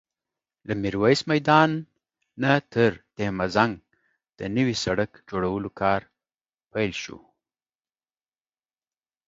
له ميرويس میدان نه تر دهمزنګ د نوي سړک جوړولو کار پیل شوی